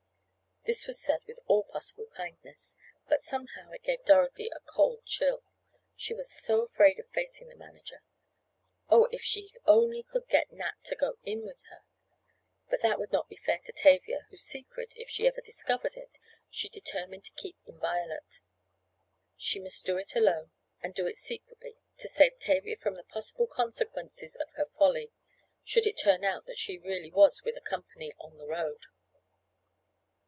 This was said with all possible kindness, but, somehow, it gave Dorothy a cold chill. She was so afraid of facing the manager. Oh, if she only could let Nat go in with her! But that would not be fair to Tavia, whose secret, if she ever discovered it, she determined to keep inviolate. She must do it alone, and do it secretly to save Tavia from the possible consequences of her folly, should it turn out that she really was with a company "on the road."